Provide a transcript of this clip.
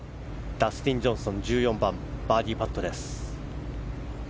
ダスティン・ジョンソン１４番、バーディーパット。